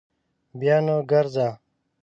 بیا نو ګرځه